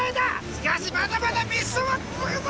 しかしまだまだミッションは続くぞ！